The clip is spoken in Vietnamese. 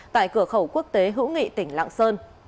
tại cửa khẩu quốc tế hữu nghị tỉnh lạng sơn